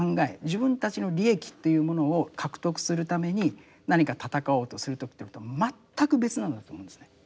自分たちの利益というものを獲得するために何か闘おうとするということとは全く別なんだと思うんですね。